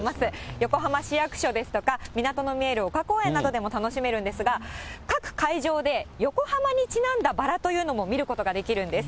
横浜市役所ですとか、港の見える丘公園などでも楽しめるんですが、各会場で、横浜にちなんだバラというのも見ることができるんです。